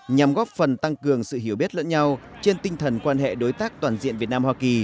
nhằm góp phần tăng cường sự hiểu biết lẫn nhau trên tinh thần quan hệ đối tác toàn diện việt nam hoa kỳ